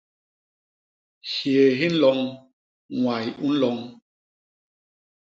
Hyéé hi nloñ; ñway u nloñ.